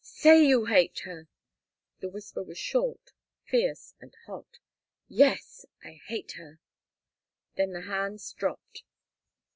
"Say you hate her!" The whisper was short, fierce, and hot. "Yes I hate her." Then the hands dropped.